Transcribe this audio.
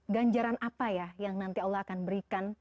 ganjaran apa ya yang nanti allah akan berikan